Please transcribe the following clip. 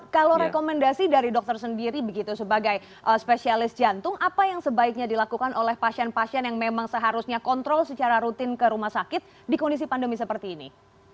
kalau rekomendasi dari dokter sendiri begitu sebagai spesialis jantung apa yang sebaiknya dilakukan oleh pasien pasien yang memang seharusnya kontrol secara rutin ke rumah sakit di kondisi pandemi seperti ini